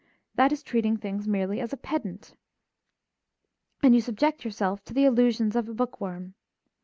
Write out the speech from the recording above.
That is treating things merely as a pedant, and you subject yourself to the illusions of a book worm.